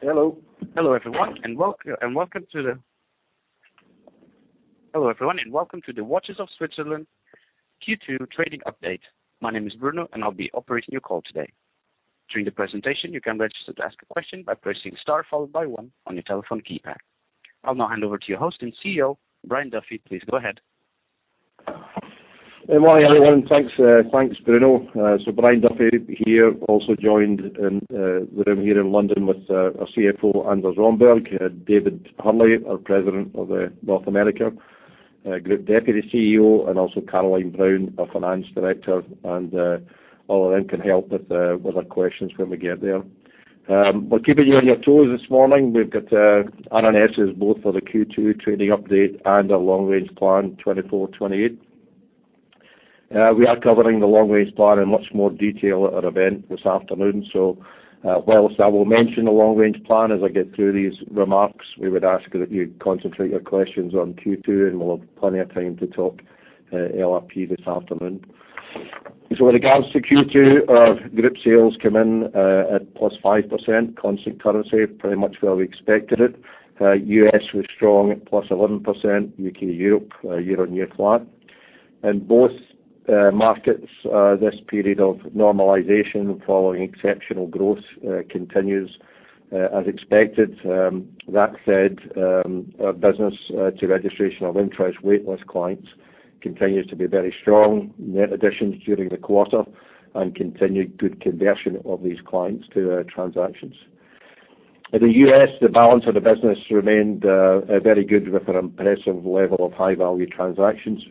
Hello, everyone, and welcome to the Watches of Switzerland Q2 trading update. My name is Bruno, and I'll be operating your call today. During the presentation, you can register to ask a question by pressing star followed by one on your telephone keypad. I'll now hand over to your host and CEO, Brian Duffy. Please go ahead. Good morning, everyone. Thanks, thanks, Bruno. So Brian Duffy here, also joined in the room here in London with our CFO, Anders Romberg, David Hurley, our President of North America, Group Deputy CEO, and also Caroline Brown, our Finance Director. All of them can help with our questions when we get there. We're keeping you on your toes this morning. We've got RNSs both for the Q2 trading update and our Long Range Plan, 2024-2028. We are covering the Long Range Plan in much more detail at our event this afternoon. So, while I will mention the Long Range Plan as I get through these remarks, we would ask that you concentrate your questions on Q2, and we'll have plenty of time to talk LRP this afternoon. So with regards to Q2, our group sales came in at +5%, constant currency, pretty much where we expected it. US was strong, at +11%, UK, Europe, year-on-year flat. In both markets, this period of normalization following exceptional growth continues as expected. That said, our business to Registration of Interest waitlist clients continues to be very strong, net additions during the quarter, and continued good conversion of these clients to transactions. In the US, the balance of the business remained very good, with an impressive level of high-value transactions.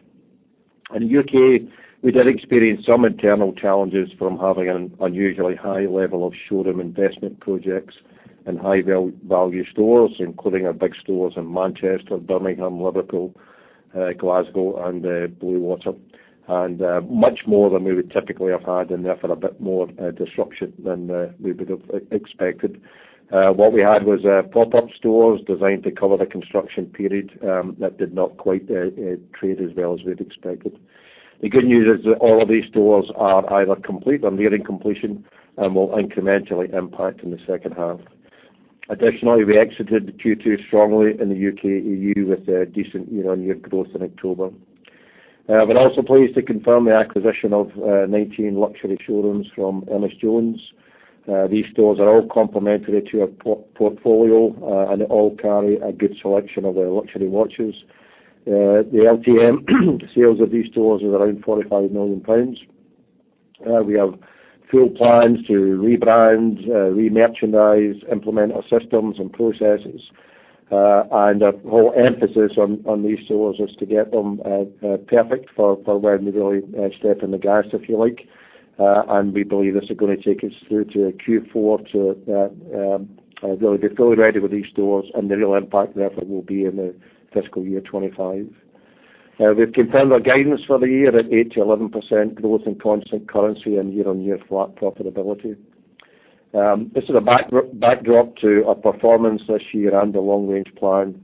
In UK, we did experience some internal challenges from having an unusually high level of showroom investment projects in high-value stores, including our big stores in Manchester, Birmingham, Liverpool, Glasgow and Bluewater. Much more than we would typically have had in there for a bit more disruption than we would have expected. What we had was pop-up stores designed to cover the construction period that did not quite trade as well as we'd expected. The good news is that all of these stores are either complete or nearing completion and will incrementally impact in the second half. Additionally, we exited the Q2 strongly in the UK, EU with a decent year-on-year growth in October. We're also pleased to confirm the acquisition of 19 luxury showrooms from Ernest Jones. These stores are all complementary to our portfolio, and they all carry a good selection of the luxury watches. The LTM sales of these stores is around 45 million pounds. We have full plans to rebrand, remerchandise, implement our systems and processes. And our whole emphasis on these stores is to get them perfect for when we really step in the gas, if you like. And we believe this is gonna take us through to Q4 to really be fully ready with these stores, and the real impact therefore will be in the fiscal year 2025. We've confirmed our guidance for the year at 8%-11% growth in constant currency and year-on-year flat profitability. This is a backdrop to our performance this year and the long range plan.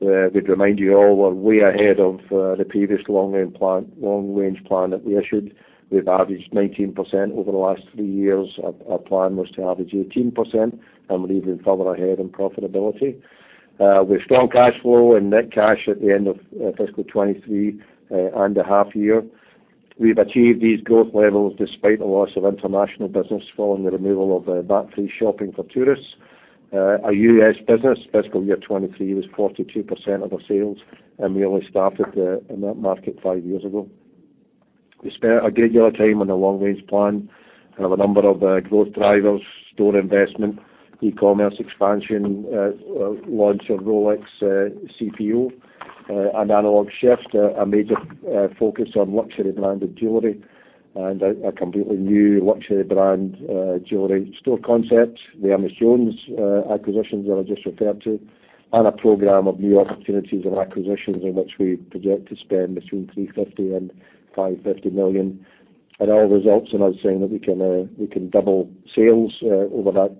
We'd remind you all we're way ahead of the previous long range plan, long range plan that we issued. We've averaged 19% over the last three years. Our plan was to average 18%, and we're even further ahead in profitability. With strong cash flow and net cash at the end of fiscal 2023 and half year, we've achieved these growth levels despite the loss of international business following the removal of VAT-free shopping for tourists. Our U.S. business, fiscal year 2023, was 42% of our sales and we only started in that market five years ago. We spent a good deal of time on the Long Range Plan and have a number of growth drivers, store investment, e-commerce expansion, launch of Rolex CPO and Analog:Shift, a major focus on luxury branded jewelry and a completely new luxury brand jewelry store concept. The Ernest Jones acquisitions that I just referred to, and a program of new opportunities and acquisitions in which we project to spend between 350 million and 550 million. It all results in us saying that we can double sales over that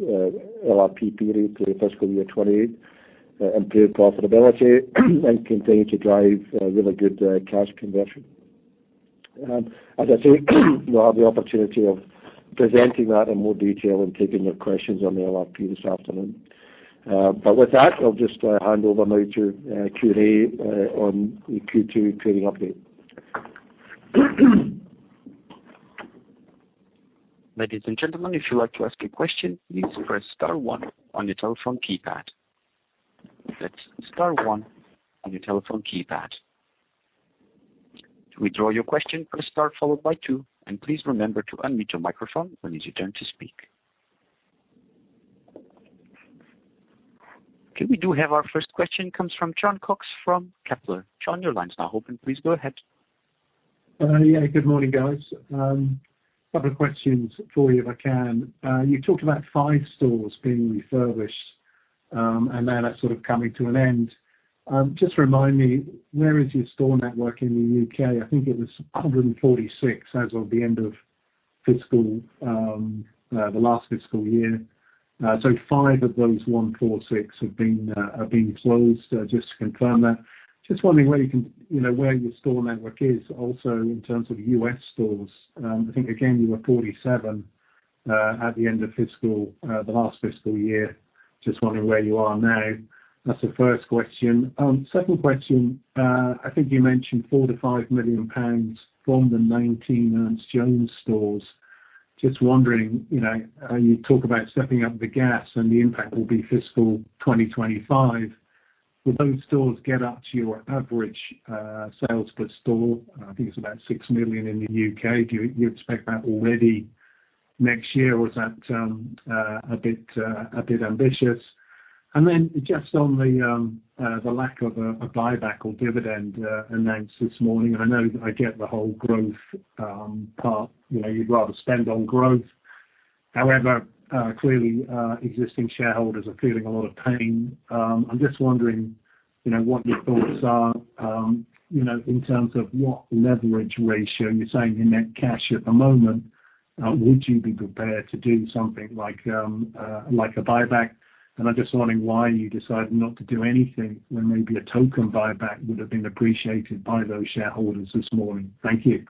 LRP period to fiscal year 2028, improve profitability, and continue to drive really good cash conversion. As I said, we'll have the opportunity of presenting that in more detail and taking your questions on the LRP this afternoon. With that, I'll just hand over now to Q&A on the Q2 trading update. Ladies and gentlemen, if you'd like to ask a question, please press star one on your telephone keypad. That's star one on your telephone keypad. To withdraw your question, press star followed by two, and please remember to unmute your microphone when it's your turn to speak. Okay, we do have our first question. Comes from Jon Cox from Kepler. John, your line's now open. Please go ahead. Yeah, good morning, guys. A couple of questions for you, if I can. You talked about 5 stores being refurbished, and now that's sort of coming to an end. Just remind me, where is your store network in the UK? I think it was 146 as of the end of fiscal, the last fiscal year. So 5 of those 146 have been, are being closed, just to confirm that. Just wondering where you can... You know, where your store network is also in terms of US stores? I think again, you were 47-... at the end of fiscal, the last fiscal year. Just wondering where you are now? That's the first question. Second question. I think you mentioned 4 million-5 million pounds from the 19 Ernest Jones stores. Just wondering, you know, you talk about stepping up the gas, and the impact will be fiscal 2025. Will those stores get up to your average, sales per store? I think it's about 6 million in the UK. Do you expect that already next year, or is that, a bit, a bit ambitious? And then just on the, the lack of a, a buyback or dividend, announced this morning, I know I get the whole growth, part. You know, you'd rather spend on growth. However, clearly, existing shareholders are feeling a lot of pain. I'm just wondering, you know, what your thoughts are, you know, in terms of what leverage ratio, you're saying in net cash at the moment, would you be prepared to do something like, like a buyback? And I'm just wondering why you decided not to do anything, when maybe a token buyback would have been appreciated by those shareholders this morning. Thank you.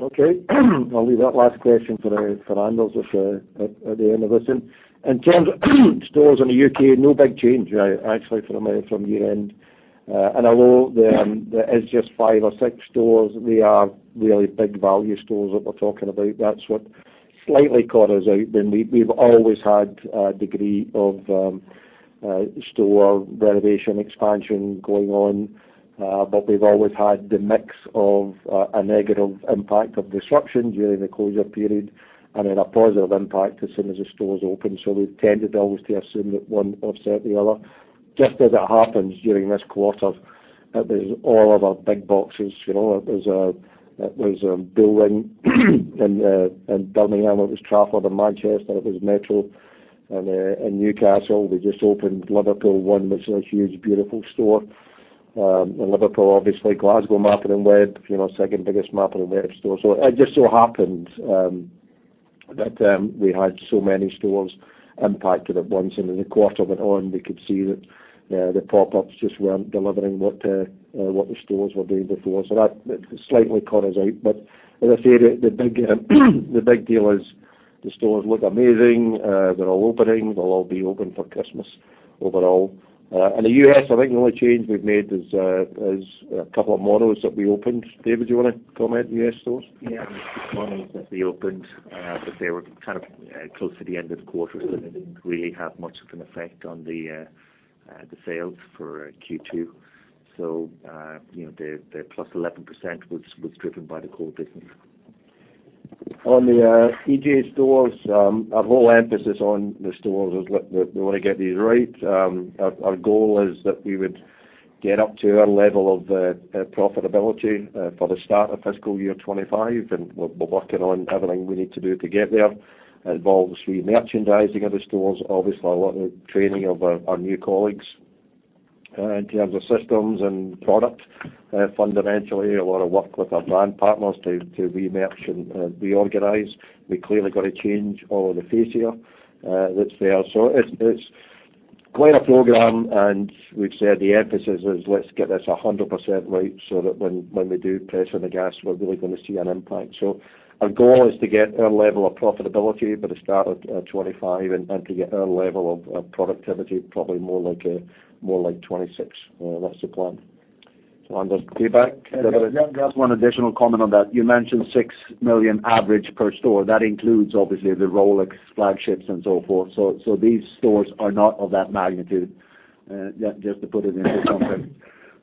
Okay. I'll leave that last question for Anders at the end of this then. In terms of stores in the UK, no big change, actually, from year-end. And although there is just five or six stores, they are really big value stores that we're talking about. That's what slightly caught us out. Then we've always had a degree of store renovation, expansion going on. But we've always had the mix of a negative impact of disruption during the closure period and then a positive impact as soon as the stores open. So we've tended always to assume that one offset the other. Just as it happens, during this quarter, that there's all of our big boxes. You know, it was Bullring in Birmingham, it was Trafford in Manchester, it was Metro in Newcastle. We just opened Liverpool ONE, which is a huge, beautiful store in Liverpool, obviously, Glasgow, Mappin & Webb, you know, second biggest Mappin & Webb store. So it just so happened that we had so many stores impacted at once, and as the quarter went on, we could see that the pop-ups just weren't delivering what the stores were doing before. So that slightly caught us out, but as I said, the big deal is the stores look amazing. They're all opening. They'll all be open for Christmas overall. In the US, I think the only change we've made is a couple of Monos that we opened. David, do you want to comment on U.S. stores? Yeah, monos that we opened, but they were kind of close to the end of the quarter, so they didn't really have much of an effect on the sales for Q2. So, you know, the plus 11% was driven by the core business. On the EJ stores, our whole emphasis on the stores is that we, we want to get these right. Our, our goal is that we would get up to our level of profitability, for the start of fiscal year 2025, and we're, we're working on everything we need to do to get there. Involves remerchandising of the stores, obviously a lot of training of our, our new colleagues, in terms of systems and product. Fundamentally, a lot of work with our brand partners to, to remerch and, and reorganize. We clearly got to change all of the fascia, that's there. So it's, it's quite a program, and we've said the emphasis is let's get this 100% right, so that when, when we do press on the gas, we're really going to see an impact. So our goal is to get our level of profitability by the start of 2025 and to get our level of productivity, probably more like 2026. That's the plan. So Anders, do you back? Yeah, just one additional comment on that. You mentioned 6 million average per store. That includes, obviously, the Rolex flagships and so forth. So these stores are not of that magnitude, just to put it into something.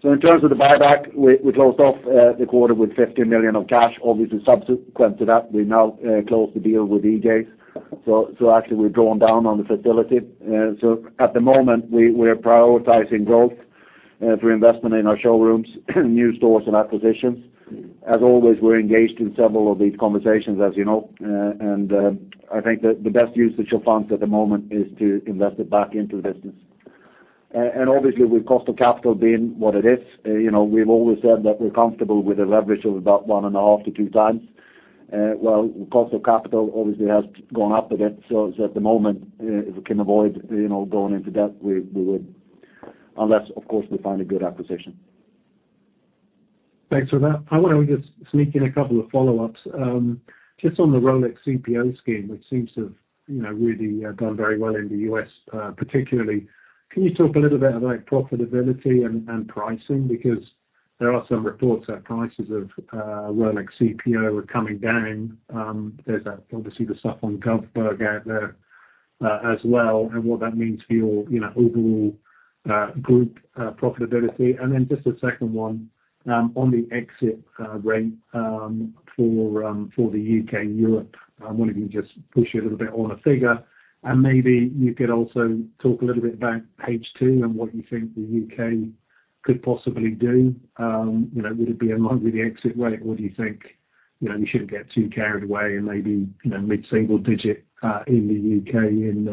So in terms of the buyback, we closed off the quarter with 50 million of cash. Obviously, subsequent to that, we've now closed the deal with EJ. So actually, we've drawn down on the facility. So at the moment, we're prioritizing growth through investment in our showrooms, new stores, and acquisitions. As always, we're engaged in several of these conversations, as you know, and I think that the best use of your funds at the moment is to invest it back into the business. And obviously, with cost of capital being what it is, you know, we've always said that we're comfortable with a leverage of about 1.5-2 times. Well, cost of capital obviously has gone up a bit, so at the moment, if we can avoid, you know, going into debt, we would. Unless, of course, we find a good acquisition. Thanks for that. I want to just sneak in a couple of follow-ups. Just on the Rolex CPO scheme, which seems to have, you know, really done very well in the U.S., particularly. Can you talk a little bit about profitability and pricing? Because there are some reports that prices of Rolex CPO are coming down. There's obviously the stuff on Govberg out there, as well, and what that means for your, you know, overall group profitability. And then just a second one, on the exit rate, for the U.K. and Europe. I'm wondering if you can just push you a little bit on a figure, and maybe you could also talk a little bit on H2 and what you think the U.K. could possibly do. You know, would it be in line with the exit rate, or do you think, you know, you shouldn't get too carried away and maybe, you know, mid-single digit in the U.K. in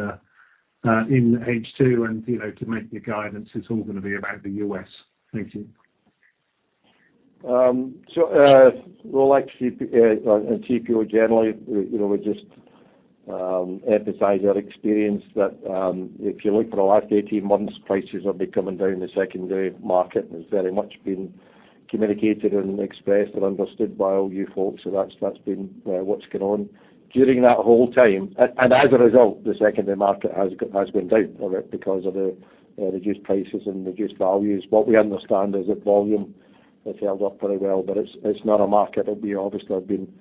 H2, and, you know, to make the guidance, it's all going to be about the U.S. Thank you. So, Rolex CPO and CPO generally, you know, we emphasize our experience that if you look for the last 18 months, prices have been coming down the secondary market, and it's very much been communicated and expressed and understood by all you folks. So that's what's been going on. During that whole time, and as a result, the secondary market has gone down because of the reduced prices and reduced values. What we understand is that volume has held up very well, but it's not a market that we obviously have been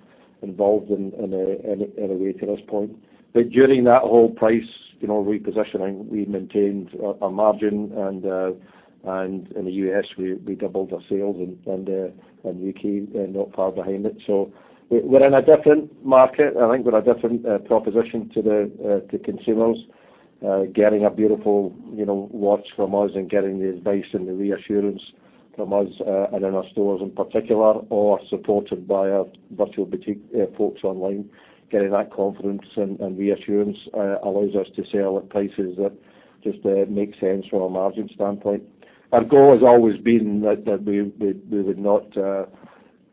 involved in in a way to this point. But during that whole price, you know, repositioning, we maintained our margin and in the U.S., we doubled our sales and in the U.K., not far behind it. So we're in a different market. I think we're a different proposition to the consumers. Getting a beautiful, you know, watch from us and getting the advice and the reassurance from us, and in our stores in particular, or supported by our Virtual Boutique, folks online, getting that confidence and reassurance allows us to sell at prices that just make sense from a margin standpoint. Our goal has always been that we would not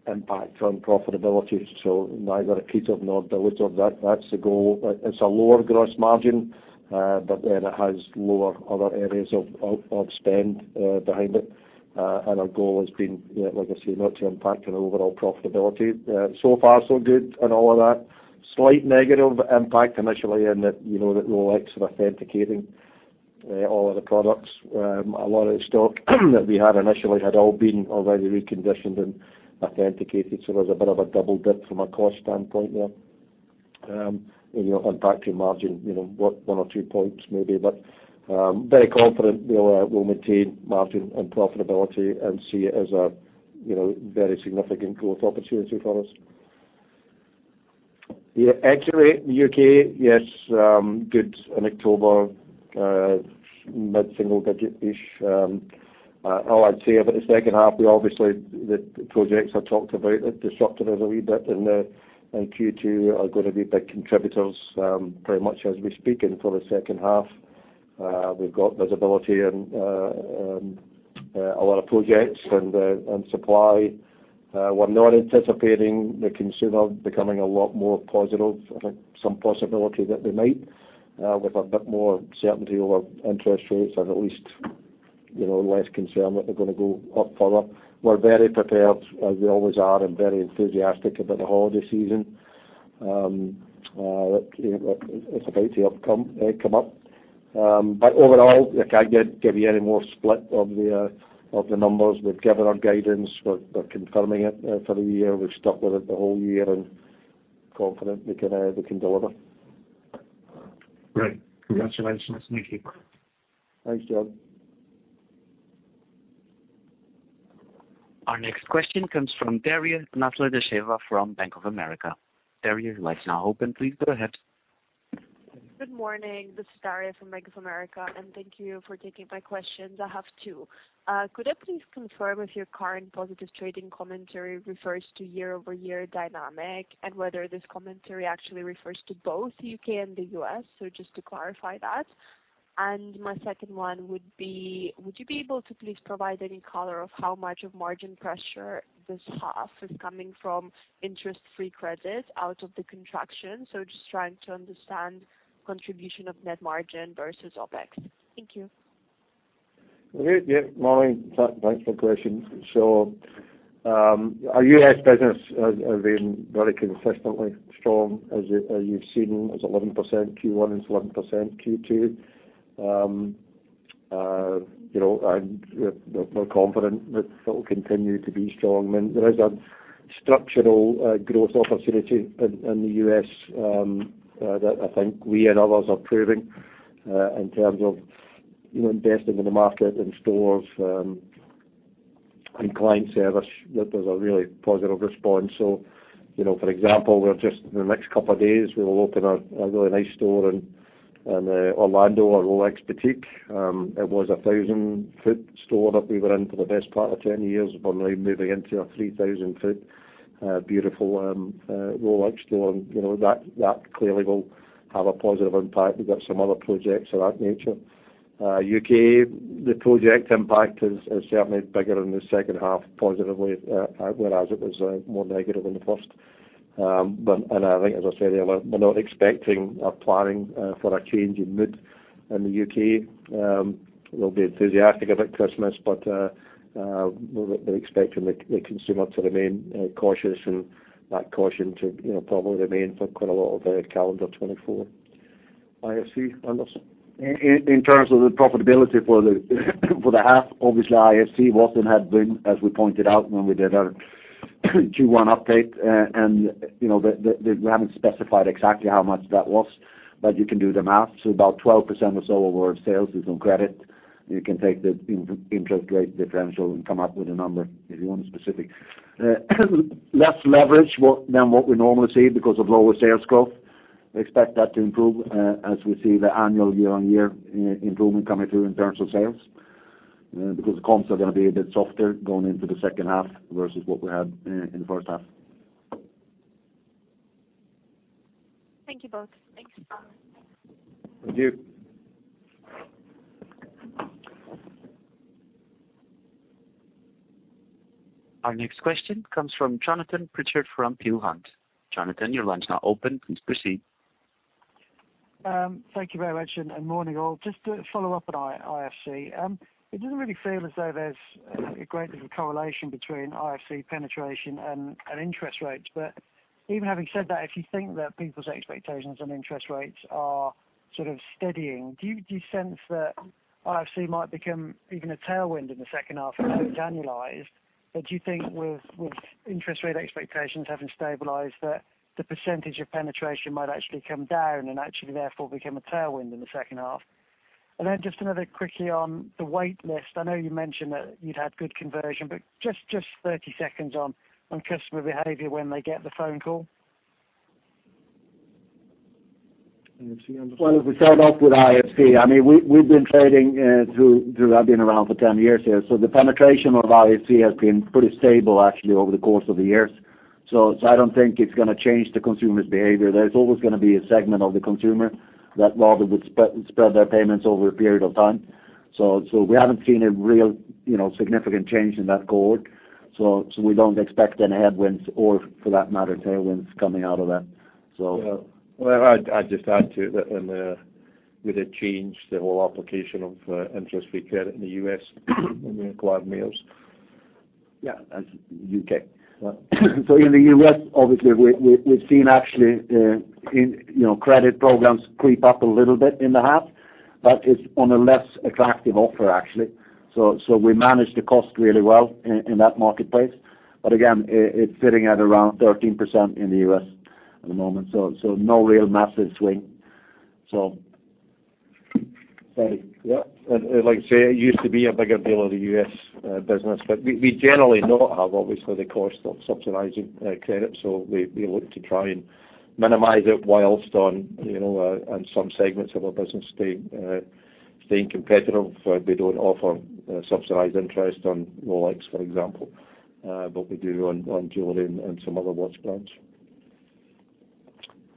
impact on profitability, so neither accretive nor dilutive. That's the goal. It's a lower gross margin, but then it has lower other areas of spend behind it. And our goal has been, you know, like I say, not to impact on overall profitability. So far, so good in all of that. Slight negative impact initially in that, you know, that Rolex are authenticating all of the products. A lot of the stock that we had initially had all been already reconditioned and authenticated, so there was a bit of a double dip from a cost standpoint there. You know, impact to your margin, you know, one or two points maybe, but very confident we'll maintain margin and profitability and see it as a, you know, very significant growth opportunity for us. Yeah, actually, the UK, yes, good in October, mid-single digit-ish. All I'd say about the second half, we obviously the projects I talked about that disrupted us a wee bit in Q2 are gonna be big contributors, pretty much as we speak and for the second half. We've got visibility and a lot of projects and supply. We're not anticipating the consumer becoming a lot more positive. I think some possibility that they might with a bit more certainty over interest rates and at least, you know, less concern that they're gonna go up further. We're very prepared, as we always are, and very enthusiastic about the holiday season. It's about to come up. But overall, I can't give you any more split of the numbers. We've given our guidance. We're confirming it for the year. We've stuck with it the whole year and confident we can deliver. Great. Congratulations. Thank you. Thanks, John. Our next question comes from Daria Nasledysheva from Bank of America. Daria, your line's now open. Please go ahead. Good morning. This is Daria from Bank of America, and thank you for taking my questions. I have two. Could I please confirm if your current positive trading commentary refers to year-over-year dynamic and whether this commentary actually refers to both UK and the US? So just to clarify that. And my second one would be, would you be able to please provide any color of how much of margin pressure this half is coming from interest-free credit out of the contraction? So just trying to understand contribution of net margin versus OpEx. Thank you. Great. Yeah, morning. Thanks for the question. So, our U.S. business has been very consistently strong, as you've seen. It was 11% Q1, it's 11% Q2. You know, and we're confident that it will continue to be strong. And there is a structural growth opportunity in the U.S. that I think we and others are proving in terms of, you know, investing in the market and stores and client service, that there's a really positive response. So, you know, for example, we're just, in the next couple of days, we will open a really nice store in Orlando, a Rolex boutique. It was a 1,000-sq-ft store that we were in for the best part of 10 years. We're now moving into a 3,000-sq-ft beautiful Rolex store. You know, that clearly will have a positive impact. We've got some other projects of that nature. UK, the project impact is certainly bigger in the second half positively, whereas it was more negative in the first. But... And I think, as I said, we're not expecting or planning for a change in mood in the UK. We'll be enthusiastic about Christmas, but we're expecting the consumer to remain cautious and that caution to, you know, probably remain for quite a lot of calendar 2024. IFC, Anders? In terms of the profitability for the half, obviously, IFC was and had been, as we pointed out when we did our Q1 update, you know, the, we haven't specified exactly how much that was, but you can do the math. So about 12% or so of our sales is on credit. You can take the interest rate differential and come up with a number if you want specific. Less leverage than what we normally see because of lower sales growth. We expect that to improve, as we see the annual year-on-year improvement coming through in terms of sales, because the comps are gonna be a bit softer going into the second half versus what we had in the first half. Thank you both. Thanks a lot. Thank you. ... Our next question comes from Jonathan Pritchard from Peel Hunt. Jonathan, your line's now open. Please proceed. Thank you very much, and morning, all. Just to follow up on IFC. It doesn't really feel as though there's a great deal of correlation between IFC penetration and interest rates. But even having said that, if you think that people's expectations on interest rates are sort of steadying, do you, do you sense that IFC might become even a tailwind in the second half annualized? But do you think with, with interest rate expectations having stabilized, that the percentage of penetration might actually come down and actually therefore become a tailwind in the second half? And then just another quickly on the wait list. I know you mentioned that you'd had good conversion, but just, just 30 seconds on, on customer behavior when they get the phone call. IFC, understand. Well, if we start off with IFC, I mean, we've been trading through. I've been around for 10 years here. So the penetration of IFC has been pretty stable actually over the course of the years. So I don't think it's gonna change the consumer's behavior. There's always gonna be a segment of the consumer that rather would spread their payments over a period of time. So we haven't seen a real, you know, significant change in that cohort. So we don't expect any headwinds, or for that matter, tailwinds coming out of that, so. Yeah. Well, I'd just add to it that when with a change, the whole application of interest-free credit in the U.S. when we acquired Mayors. Yeah. And UK. So in the US, obviously, we've seen actually, you know, credit programs creep up a little bit in the half, but it's on a less attractive offer, actually. So we manage the cost really well in that marketplace. But again, it's sitting at around 13% in the US at the moment, so no real massive swing. Yeah, and like I say, it used to be a bigger deal in the U.S. business. But we generally know how, obviously, the cost of subsidizing credit, so we look to try and minimize it while on, you know, on some segments of our business staying competitive. We don't offer subsidized interest on Rolex, for example, but we do on jewelry and some other watch brands.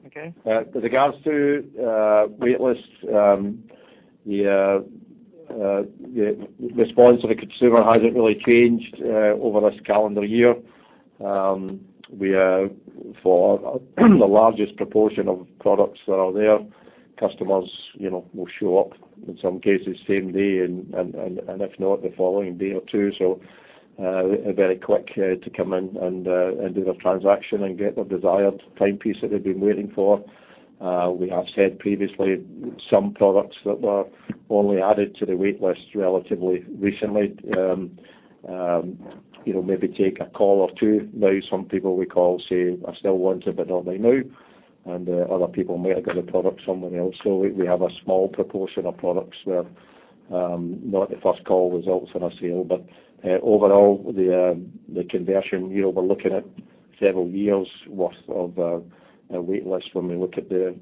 Okay. With regards to wait lists, the response of the consumer hasn't really changed over this calendar year. We are for the largest proportion of products that are there, customers, you know, will show up, in some cases, same day, and if not, the following day or two. So, they're very quick to come in and do their transaction and get their desired timepiece that they've been waiting for. We have said previously, some products that were only added to the wait list relatively recently, you know, maybe take a call or two. Now, some people we call, say, "I still want it, but not right now," and other people may have got a product somewhere else. So we have a small proportion of products where not the first call results in a sale. But overall, the conversion, you know, we're looking at several years' worth of a wait list when we look at the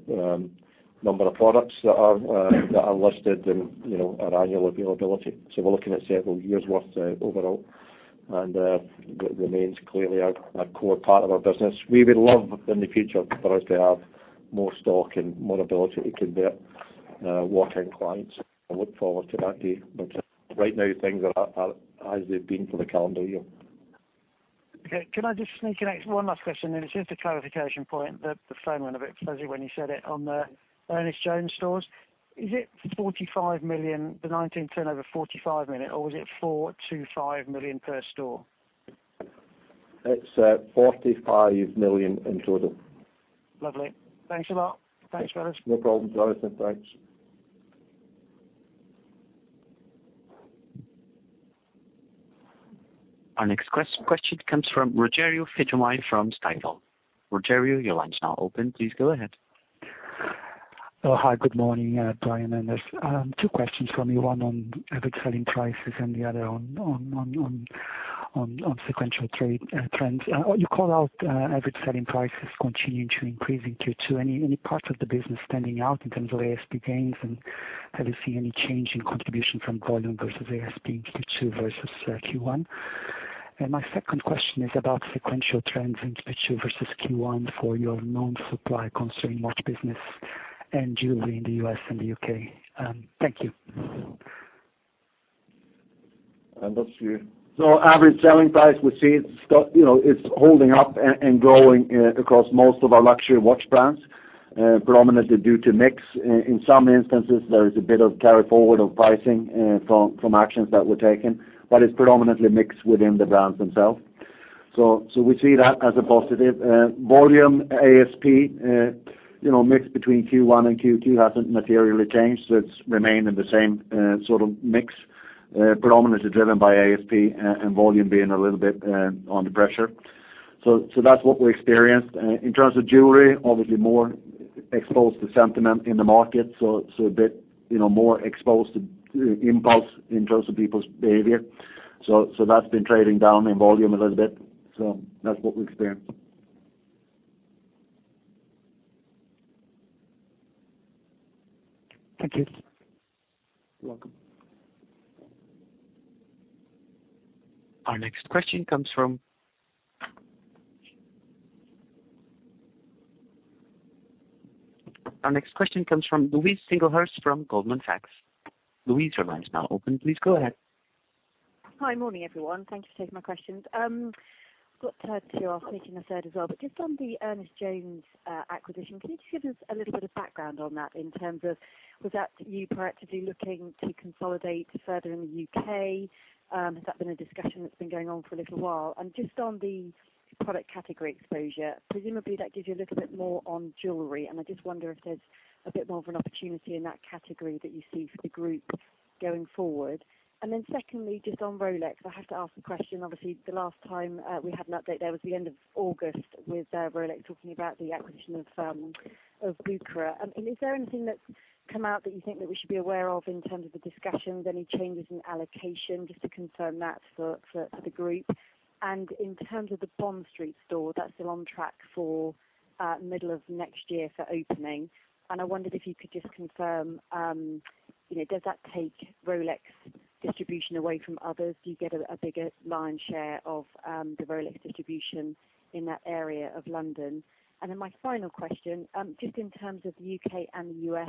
number of products that are that are listed in, you know, our annual availability. So we're looking at several years' worth overall, and it remains clearly a core part of our business. We would love in the future for us to have more stock and more ability to convert walk-in clients. I look forward to that day, but right now, things are as they've been for the calendar year. Okay. Can I just sneak in one last question, and it's just a clarification point that the phone went a bit fuzzy when you said it on the Ernest Jones stores. Is it 45 million, the turnover 45 million, or is it 4-5 million per store? It's 45 million in total. Lovely. Thanks a lot. Thanks, fellas. No problem, Jonathan. Thanks. Our next question comes from Rogerio Fujimori from Stifel. Rogerio, your line's now open. Please go ahead. Oh, hi, good morning, Brian and Anders. Two questions for me, one on average selling prices and the other on sequential trade trends. You called out average selling prices continuing to increase in Q2. Any part of the business standing out in terms of ASP gains, and have you seen any change in contribution from volume versus ASP in Q2 versus Q1? And my second question is about sequential trends in Q2 versus Q1 for your known supply-constrained watch business and jewelry in the U.S. and the U.K. Thank you. That's you. So average selling price, we see it's still... You know, it's holding up and, and growing, across most of our luxury watch brands, predominantly due to mix. In some instances, there is a bit of carry forward of pricing, from, from actions that were taken, but it's predominantly mixed within the brands themselves. So, so we see that as a positive. Volume ASP, you know, mix between Q1 and Q2 hasn't materially changed. So it's remained in the same, sort of mix, predominantly driven by ASP and, and volume being a little bit, under pressure. So, so that's what we experienced. In terms of jewelry, obviously more exposed to sentiment in the market, so, so a bit, you know, more exposed to, impulse in terms of people's behavior. So, so that's been trading down in volume a little bit. So that's what we experienced. Thank you. Welcome. Our next question comes from Louise Singlehurst from Goldman Sachs. Louise, your line is now open. Please go ahead. Hi, morning, everyone. Thank you for taking my questions. Got to add to your thinking, I said as well, but just on the Ernest Jones acquisition, can you just give us a little bit of background on that in terms of was that you practically looking to consolidate further in the UK? Has that been a discussion that's been going on for a little while? And just on the product category exposure, presumably, that gives you a little bit more on jewelry, and I just wonder if there's a bit more of an opportunity in that category that you see for the group going forward. And then secondly, just on Rolex, I have to ask the question. Obviously, the last time we had an update, there was the end of August, with Rolex talking about the acquisition of Bucherer. I mean, is there anything that's come out that you think that we should be aware of in terms of the discussions, any changes in allocation, just to confirm that for the group? In terms of the Bond Street store, that's still on track for middle of next year for opening. I wondered if you could just confirm, you know, does that take Rolex distribution away from others? Do you get a bigger lion's share of the Rolex distribution in that area of London? Then my final question, just in terms of the U.K. and the U.S.,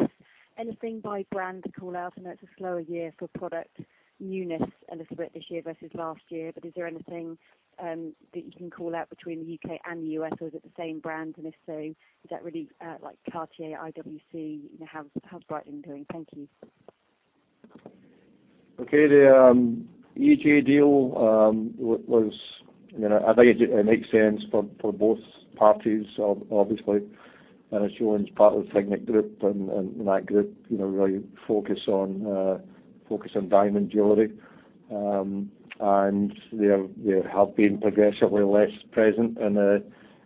anything by brand to call out? I know it's a slower year for product newness, a little bit this year versus last year, but is there anything that you can call out between the U.K. and the U.S., or is it the same brand? And if so, is that really, like Cartier, IWC, you know, how's, how's Breitling doing? Thank you. Okay, the EJ deal was, you know, I think it, it makes sense for, for both parties obviously. And it's showing as part of the Signet Group and, and that group, you know, really focus on, focus on diamond jewelry. And they have, they have been progressively less present in,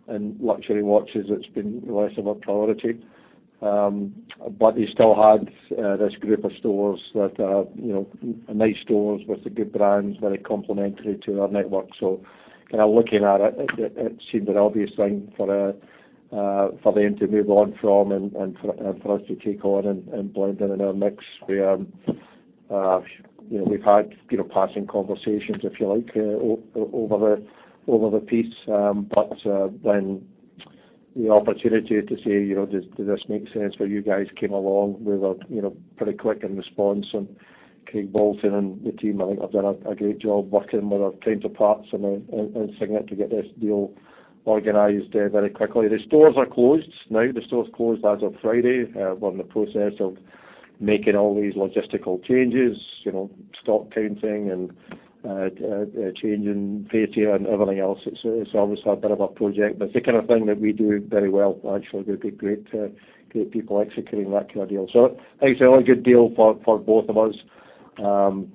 in luxury watches. It's been less of a priority. But they still had, this group of stores that are, you know, nice stores with the good brands, very complementary to our network. So, kind of looking at it, it, it, it seemed an obvious thing for, for them to move on from and, and for, and for us to take on and, and blend in in our mix. We, you know, we've had, you know, passing conversations, if you like, over the, over the piece. But then the opportunity to say, you know, does this make sense for you guys came along. We were, you know, pretty quick in response and Craig Bolton and the team, I think, have done a great job working with our teams at SAP and Signet to get this deal organized very quickly. The stores are closed. Now the stores closed as of Friday. We're in the process of making all these logistical changes, you know, stock counting and changing paper and everything else. It's always a bit of a project, but it's the kind of thing that we do very well. Actually, we've got great people executing that kind of deal. So I think it's a really good deal for both of us. And,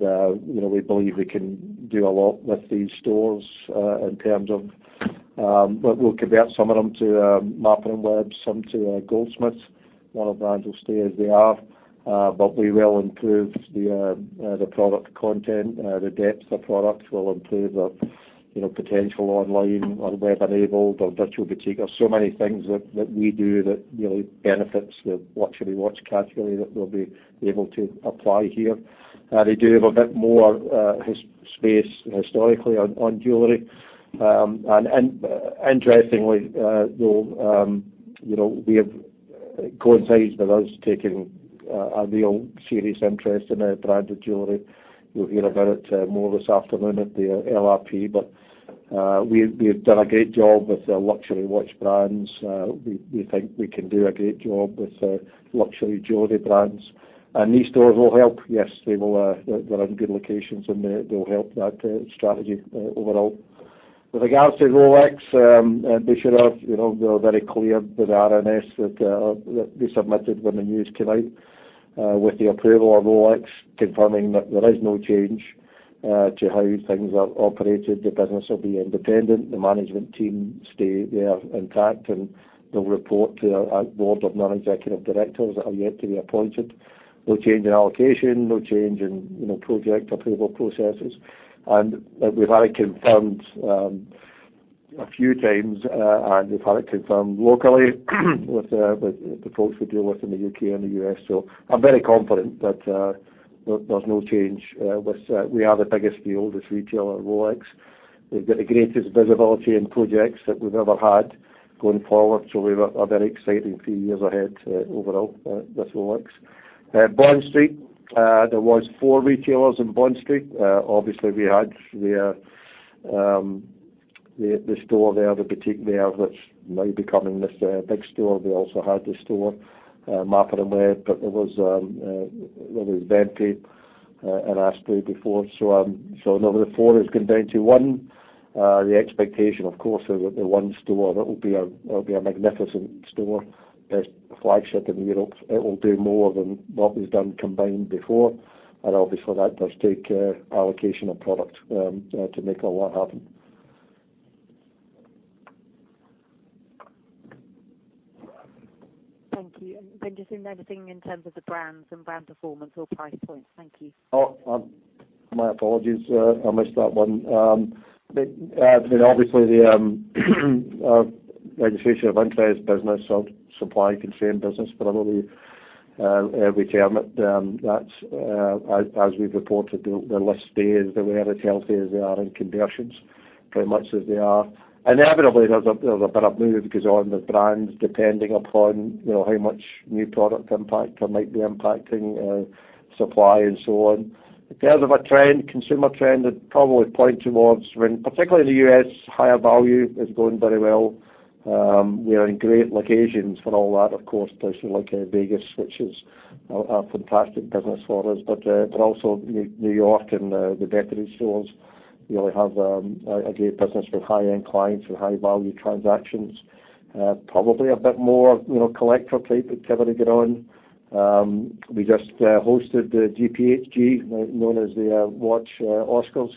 you know, we believe we can do a lot with these stores, in terms of... We'll convert some of them to Mappin & Webb, some to Goldsmiths. A lot of brands will stay as they are, but we will improve the product content, the depth of products. We'll improve the, you know, potential online or web-enabled or virtual boutique. There are so many things that we do that really benefits the luxury watch category that we'll be able to apply here. They do have a bit more space historically on jewelry. And, interestingly, though, you know, this coincides with us taking a real serious interest in branded jewelry. You'll hear about it more this afternoon at the LRP, but we've done a great job with the luxury watch brands. We think we can do a great job with luxury jewelry brands. These stores will help. Yes, they will, they're in good locations, and they'll help that strategy overall. With regards to Rolex, they should have, you know, they were very clear with RNS that we submitted when the news came out, with the approval of Rolex, confirming that there is no change to how things are operated. The business will be independent. The management team stays there intact, and they'll report to our board of non-executive directors that are yet to be appointed. No change in allocation, no change in, you know, project approval processes. And we've had it confirmed a few times, and we've had it confirmed locally with the folks we deal with in the U.K. and the U.S. So I'm very confident that there's no change with. We are the biggest and oldest retailer of Rolex. We've got the greatest visibility in projects that we've ever had going forward, so we've a very exciting few years ahead overall with Rolex. Bond Street. There was four retailers in Bond Street. Obviously, we had the store there, the boutique there, that's now becoming this big store. We also had the store Mappin & Webb, but there was Bentley and Asprey before. So now the four has come down to one. The expectation, of course, the one store that will be. It'll be a magnificent store. It's the flagship in Europe. It will do more than what was done combined before, and obviously, that does take allocation of product to make a lot happen. Thank you. And then just in anything in terms of the brands and brand performance or price points? Thank you. Oh, my apologies. I missed that one. But then obviously, the registration of entry is business, so supply-constrained business for another year... Every term that, that's as we've reported, the list stays, they were as healthy as they are in conversions, pretty much as they are. Inevitably, there's a bit of move because on the brands, depending upon, you know, how much new product impact or might be impacting, supply and so on. In terms of a trend, consumer trend, I'd probably point towards when, particularly in the U.S., higher value is going very well. We are in great locations for all that, of course, places like Vegas, which is a fantastic business for us. But also New York and the department stores, we only have a great business with high-end clients and high-value transactions. Probably a bit more, you know, collector-type activity going on. We just hosted the GPHG, well known as the Watch Oscars,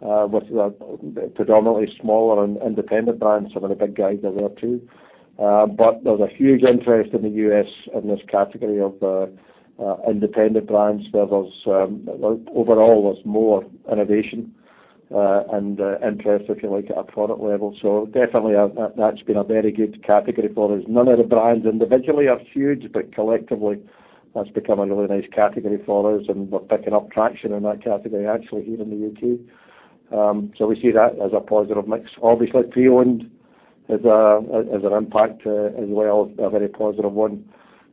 which are predominantly smaller and independent brands. Some of the big guys are there, too. But there was a huge interest in the U.S. in this category of independent brands, where there was overall more innovation and interest, if you like, at a product level. So definitely, that's been a very good category for us. None of the brands individually are huge, but collectively, that's become a really nice category for us, and we're picking up traction in that category, actually, here in the U.K. So we see that as a positive mix. Obviously, pre-owned is an impact, as well, a very positive one.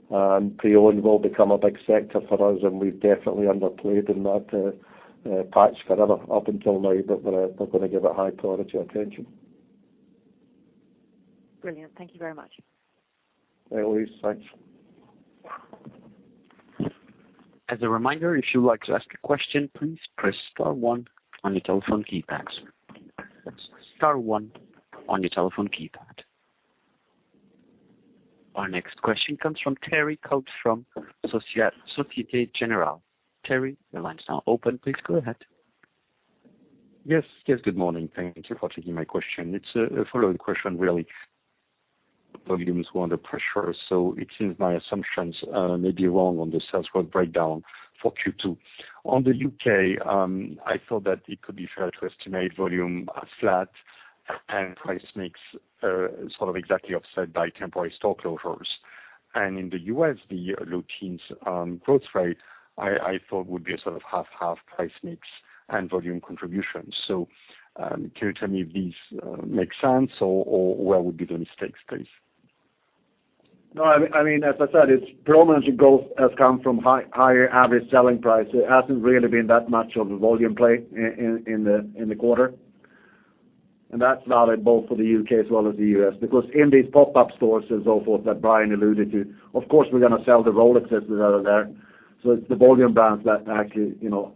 And pre-owned will become a big sector for us, and we've definitely underplayed in that patch for ever up until now, but we're gonna give it high priority attention. Brilliant. Thank you very much. Hey, Louise, thanks. As a reminder, if you would like to ask a question, please press star one on your telephone keypad. Star one on your telephone keypad. Our next question comes from Thierry Cota from Societe Generale. Thierry, the line is now open. Please go ahead. Yes. Yes, good morning. Thank you for taking my question. It's a follow-on question, really. Volumes were under pressure, so it seems my assumptions may be wrong on the sales growth breakdown for Q2. On the U.K., I thought that it could be fair to estimate volume flat and price mix sort of exactly offset by temporary store closures. And in the U.S., the low teens growth rate, I thought would be a sort of 50/50 price mix and volume contribution. So, can you tell me if these make sense, or where would be the mistakes, please? No, I mean, as I said, it's predominantly growth has come from higher average selling price. It hasn't really been that much of a volume play in the quarter. And that's valid both for the U.K. as well as the U.S., because in these pop-up stores and so forth that Brian alluded to, of course, we're gonna sell the Rolexes that are there. So it's the volume brands that actually, you know,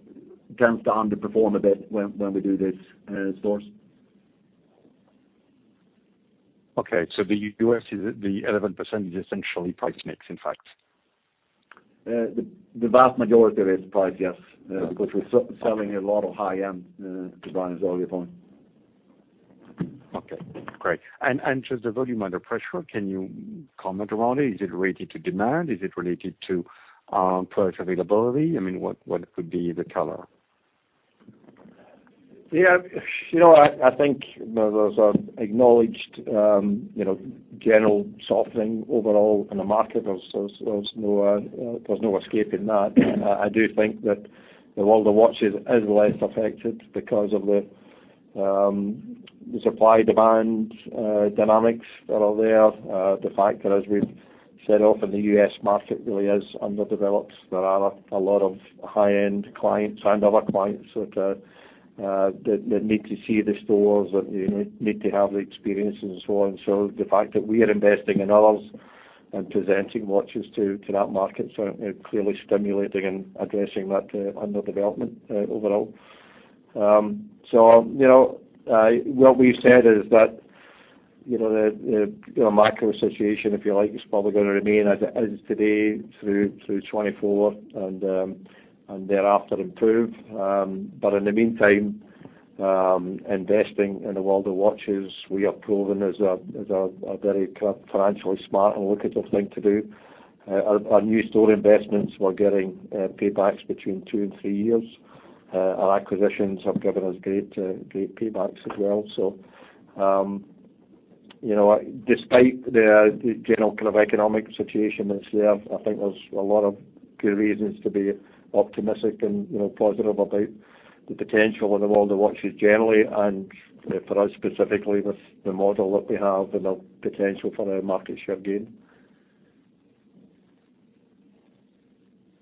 tends to underperform a bit when we do this stores. Okay, so the U.S. is, the 11% is essentially price mix, in fact? The vast majority of it is price, yes, because we're selling a lot of high-end brands, volume. Okay, great. Just the volume under pressure, can you comment around it? Is it related to demand? Is it related to product availability? I mean, what could be the color? Yeah. You know, I think there's an acknowledged, you know, general softening overall in the market. There's no escaping that. I do think that the world of watches is less affected because of the supply-demand dynamics that are there. The fact that, as we've said, often the US market really is underdeveloped. There are a lot of high-end clients and other clients so to that need to see the stores and, you know, need to have the experience and so on. So the fact that we are investing in others and presenting watches to that market, so, you know, clearly stimulating and addressing that underdevelopment overall. So you know, what we've said is that, you know, the macro situation, if you like, is probably gonna remain as it is today through 2024 and thereafter improve. But in the meantime, investing in the world of watches, we have proven is a very financially smart and lucrative thing to do. Our new store investments, we're getting paybacks between two and three years. Our acquisitions have given us great paybacks as well. So, you know, despite the general kind of economic situation that's there, I think there's a lot of good reasons to be optimistic and, you know, positive about the potential in the world of watches generally, and for us specifically, with the model that we have and the potential for our market share gain.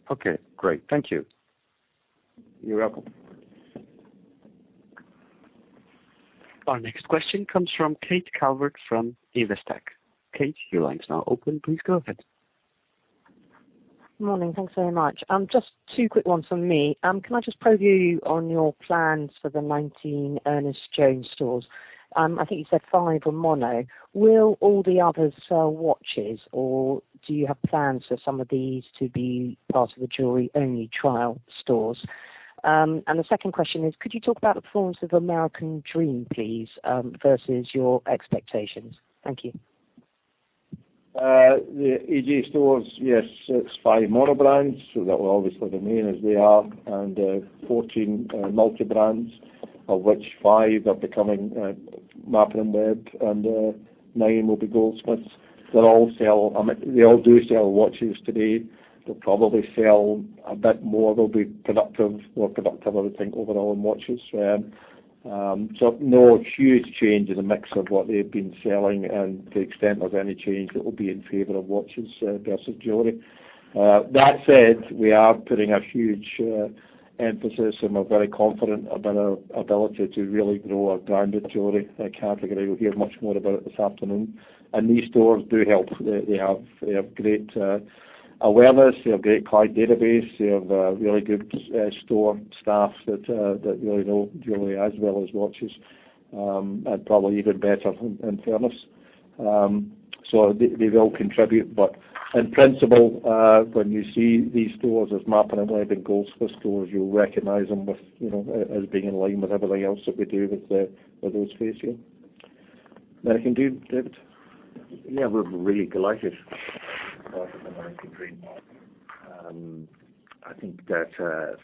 Okay, great. Thank you. You're welcome. Our next question comes from Kate Calvert from Investec. Kate, your line is now open. Please go ahead. Morning. Thanks so much. Just two quick ones from me. Can I just probe you on your plans for the 19 Ernest Jones stores? I think you said 5 are mono. Will all the others sell watches, or do you have plans for some of these to be part of the jewelry-only trial stores? The second question is, could you talk about the performance of American Dream, please, versus your expectations? Thank you. The EJ stores, yes, it's five mono brands, so that will obviously remain as they are, and 14 multi-brands, of which five are becoming Mappin & Webb and nine will be Goldsmiths. They'll all sell, I mean, they all do sell watches today. They'll probably sell a bit more. They'll be productive, more productive, I would think, overall in watches. So no huge change in the mix of what they've been selling, and to the extent there's any change, it will be in favor of watches versus jewelry. That said, we are putting a huge emphasis, and we're very confident about our ability to really grow our diamond jewelry category. You'll hear much more about it this afternoon. These stores do help. They, they have, they have great awareness, they have great client database, they have really good store staff that, that really know jewelry as well as watches, and probably even better than, in fairness. So they, they will contribute. But in principle, when you see these stores as Mappin & Webb and Goldsmiths stores, you'll recognize them with, you know, as being in line with everything else that we do with the, with those facades here. Anything to do, David? Yeah, we're really delighted with American Dream. I think that,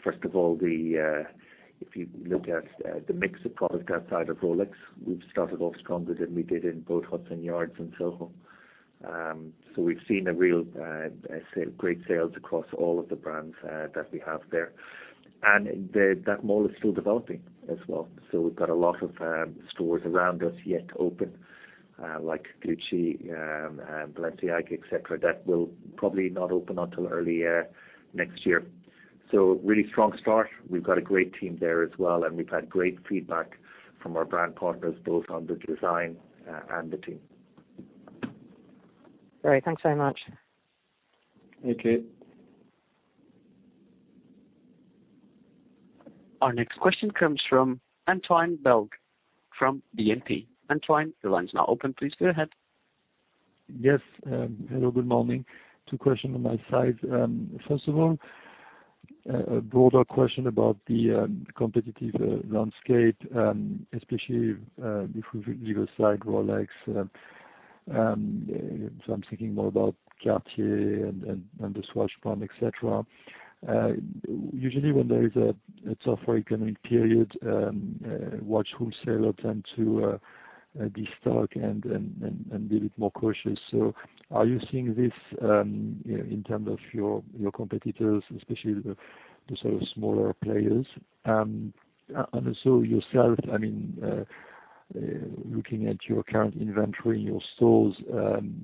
first of all, if you look at the mix of product outside of Rolex, we've started off stronger than we did in both Hudson Yards and Soho. So we've seen a real, great sales across all of the brands that we have there. And that mall is still developing as well. So we've got a lot of stores around us yet to open, like Gucci and Balenciaga, et cetera, that will probably not open until early next year. So really strong start. We've got a great team there as well, and we've had great feedback from our brand partners, both on the design and the team. Great. Thanks very much. Thank you. Our next question comes from Antoine Belge from BNP. Antoine, the line is now open. Please go ahead. Yes, hello, good morning. Two question on my side. First of all, a broader question about the competitive landscape, especially if we leave aside Rolex, so I'm thinking more about Cartier and the Swatch brand, et cetera. Usually, when there is a soft economic period, watch wholesalers tend to destock and be a bit more cautious. So are you seeing this, you know, in terms of your competitors, especially the sort of smaller players? And also yourself, I mean, looking at your current inventory in your stores,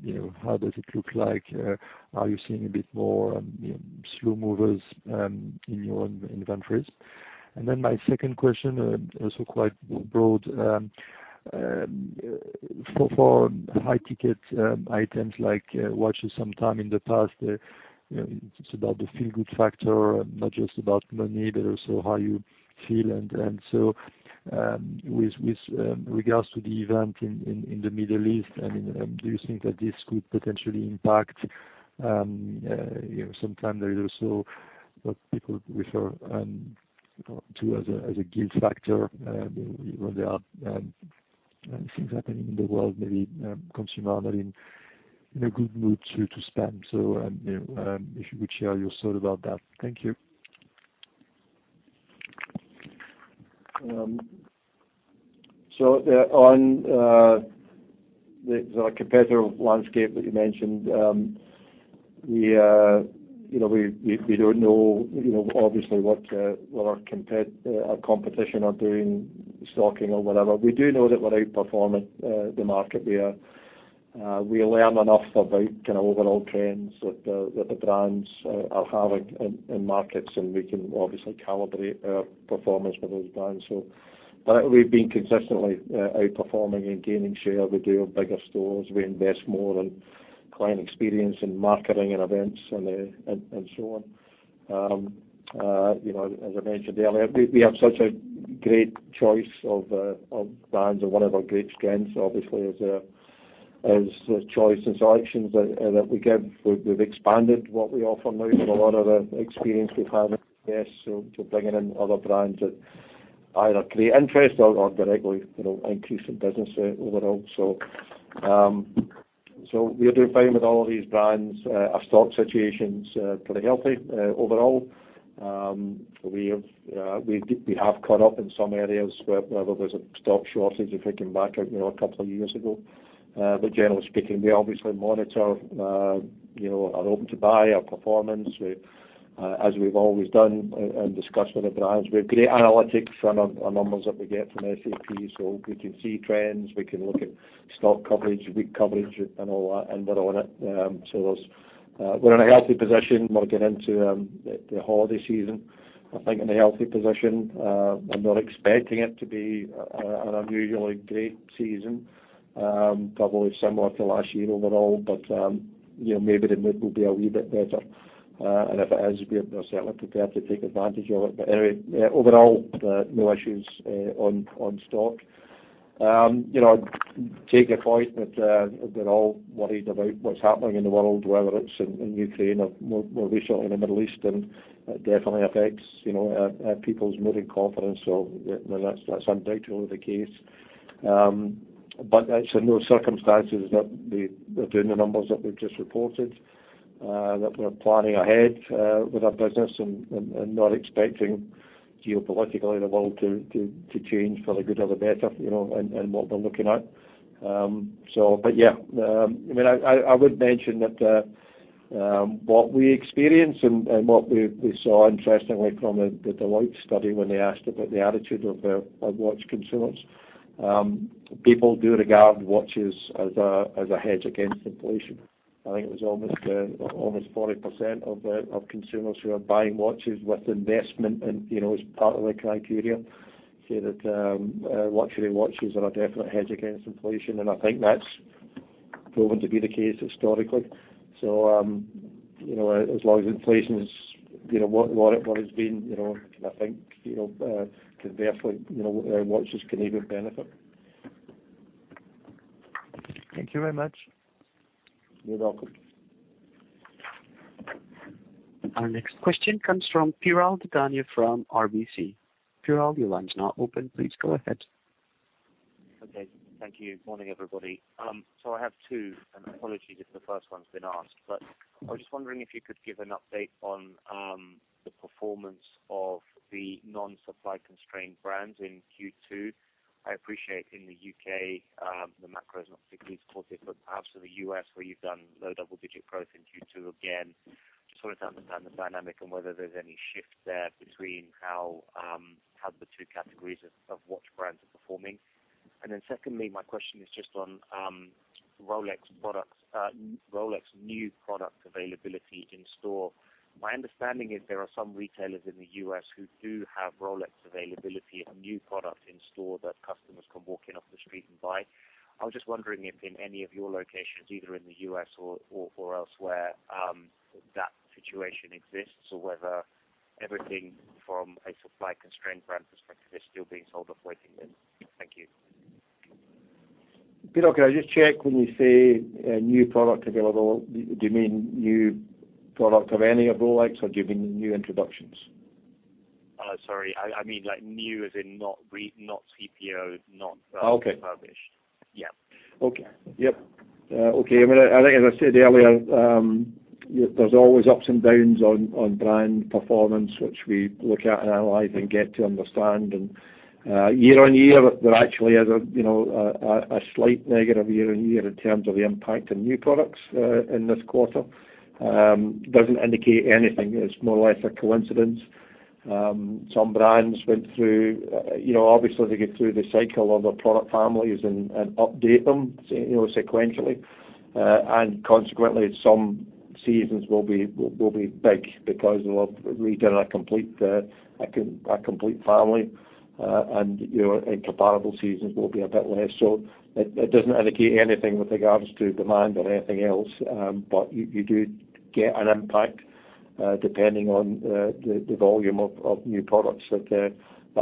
you know, how does it look like, are you seeing a bit more slow movers in your own inventories? And then my second question, also quite broad. For high-ticket items like watches, sometime in the past, you know, it's about the feel-good factor, not just about money, but also how you feel. And so, with regards to the event in the Middle East, I mean, do you think that this could potentially impact, you know, sometime there is also what people refer to as a guilt factor, when there are things happening in the world, maybe consumer are not in a good mood to spend. So, you know, if you could share your thought about that. Thank you. So, on the competitor landscape that you mentioned, we don't know, you know, obviously, what our competition are doing, stocking or whatever. We do know that we're outperforming the market. We are. We learn enough about kind of overall trends that the brands are having in markets, and we can obviously calibrate our performance with those brands. But we've been consistently outperforming and gaining share. We do have bigger stores. We invest more in client experience and marketing and events and so on. You know, as I mentioned earlier, we have such a great choice of brands and one of our great strengths, obviously, is the choice and selections that we give. We've expanded what we offer now with a lot of the experience we've had in the past. So bringing in other brands that either create interest or directly, you know, increase in business overall. So we are doing fine with all of these brands. Our stock situation's pretty healthy overall. We have caught up in some areas where there was a stock shortage if we came back out, you know, a couple of years ago. But generally speaking, we obviously monitor, you know, our open to buy, our performance, as we've always done and discuss with the brands. We have great analytics on our numbers that we get from SAP, so we can see trends, we can look at stock coverage, weak coverage, and all that, and we're on it. So those, we're in a healthy position. We'll get into the holiday season, I think, in a healthy position. I'm not expecting it to be an unusually great season. Probably similar to last year overall, but, you know, maybe the mood will be a wee bit better. And if it is, we're certainly prepared to take advantage of it. But anyway, overall, no issues on stock. You know, I take your point that we're all worried about what's happening in the world, whether it's in Ukraine or more recently in the Middle East, and it definitely affects, you know, people's mood and confidence. So that's undoubtedly the case. But it's in those circumstances that we're doing the numbers that we've just reported. that we're planning ahead with our business and not expecting geopolitically the world to change for the good or the better, you know, and what we're looking at. So but yeah, I mean, I would mention that what we experienced and what we saw interestingly from the Deloitte study when they asked about the attitude of watch consumers, people do regard watches as a hedge against inflation. I think it was almost 40% of consumers who are buying watches with investment, you know, as part of the criteria. Say that luxury watches are a definite hedge against inflation, and I think that's proven to be the case historically. You know, as long as inflation is, you know, what it's been, you know, I think, you know, watches can even benefit. Thank you very much. You're welcome. Our next question comes from Piral Dadhania from RBC. Piral, your line's now open. Please go ahead. Okay, thank you. Morning, everybody. So I have two, and apologies if the first one's been asked, but I was just wondering if you could give an update on the performance of the non-supply-constrained brands in Q2. I appreciate in the U.K., the macro is not particularly positive, but perhaps in the U.S., where you've done low double-digit growth in Q2 again, just want to understand the dynamic and whether there's any shift there between how the two categories of watch brands are performing. And then secondly, my question is just on Rolex products, Rolex new product availability in store. My understanding is there are some retailers in the U.S. who do have Rolex availability of new product in store that customers can walk in off the street and buy. I was just wondering if in any of your locations, either in the U.S. or elsewhere, that situation exists, or whether everything from a supply constraint brand perspective is still being sold off waiting list. Thank you. Piral, can I just check when you say, new product available, do you mean new product of any of Rolex, or do you mean new introductions? Sorry, I mean like new as in not CPO, not- Okay. published. Yeah. Okay. Yep. Okay. I mean, I think as I said earlier, there's always ups and downs on brand performance, which we look at and analyze and get to understand. And year-on-year, there actually is, you know, a slight negative year-on-year in terms of the impact on new products in this quarter. Doesn't indicate anything. It's more or less a coincidence. Some brands went through, you know, obviously, they get through the cycle of their product families and update them, you know, sequentially. And consequently, some seasons will be big because of redoing a complete family, and, you know, incomparable seasons will be a bit less. So it doesn't indicate anything with regards to demand or anything else. But you do get an impact, depending on the volume of new products that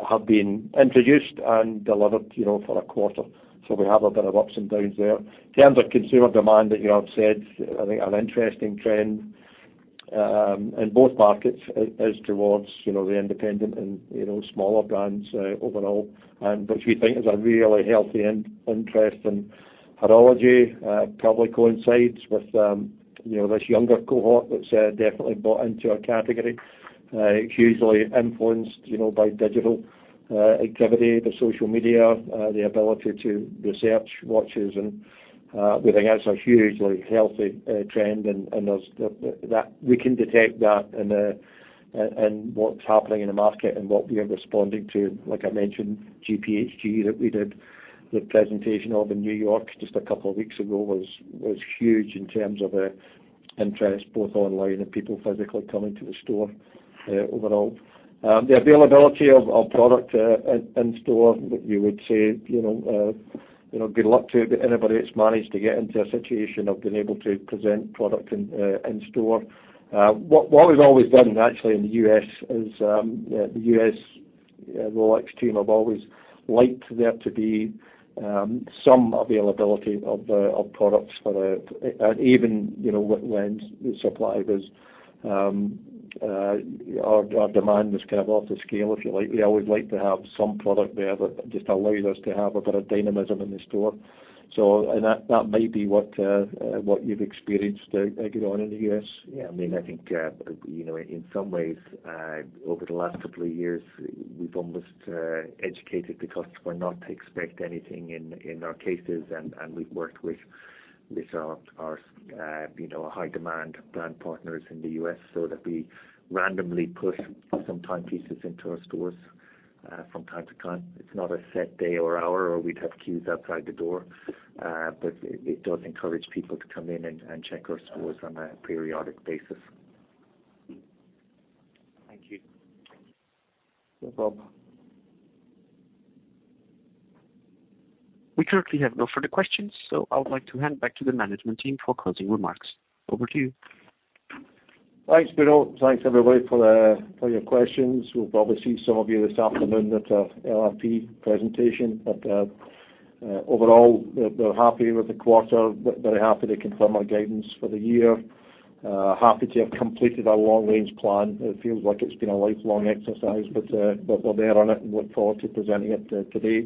have been introduced and delivered, you know, for a quarter. So we have a bit of ups and downs there. In terms of consumer demand that you have said, I think an interesting trend in both markets is towards, you know, the independent and, you know, smaller brands overall, and which we think is a really healthy interest in horology. Probably coincides with, you know, this younger cohort that's definitely bought into our category. It's hugely influenced, you know, by digital activity, the social media, the ability to research watches, and we think that's a hugely healthy trend, and there's that. We can detect that in what's happening in the market and what we are responding to. Like I mentioned, GPHG, that we did the presentation of in New York just a couple of weeks ago, was huge in terms of interest, both online and people physically coming to the store overall. The availability of product in store, you would say, you know, you know, good luck to anybody that's managed to get into a situation of being able to present product in store. What we've always done actually in the US is the US Rolex team have always liked there to be some availability of the products for the... And even, you know, when supply was, our demand was kind of off the scale, if you like. We always like to have some product there that just allows us to have a bit of dynamism in the store. And that may be what you've experienced going on in the U.S. Yeah, I mean, I think, you know, in some ways, over the last couple of years, we've almost educated the customer not to expect anything in our cases. And we've worked with our, you know, high-demand brand partners in the U.S. so that we randomly push some timepieces into our stores from time to time. It's not a set day or hour, or we'd have queues outside the door. But it does encourage people to come in and check our stores on a periodic basis. Thank you. You're welcome. We currently have no further questions, so I would like to hand back to the management team for closing remarks. Over to you. Thanks, Piral. Thanks, everybody, for your questions. We'll probably see some of you this afternoon at LRP presentation. But overall, we're happy with the quarter. Very happy to confirm our guidance for the year. Happy to have completed our long-range plan. It feels like it's been a lifelong exercise, but we're there on it and look forward to presenting it today.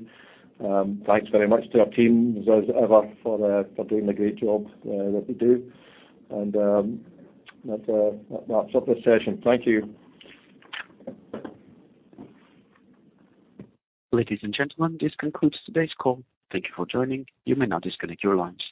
Thanks very much to our teams, as ever, for doing the great job that they do. That wraps up the session. Thank you. Ladies and gentlemen, this concludes today's call. Thank you for joining. You may now disconnect your lines.